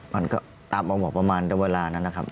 มันก็ตามออกมาบอกประมาณแต่เวลานั้นนะครับ